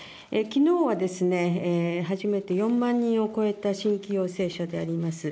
きのうは初めて４万人を超えた新規陽性者であります。